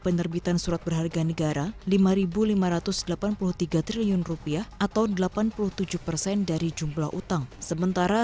penerbitan surat berharga negara lima ribu lima ratus delapan puluh tiga triliun rupiah atau delapan puluh tujuh persen dari jumlah utang sementara